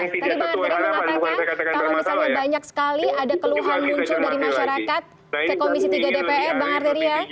kalau misalnya banyak sekali ada keluhan muncul dari masyarakat ke komisi tiga dpr bang ardiri ya